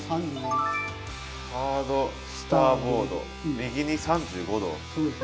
ハード・スター・ボード右に３５度。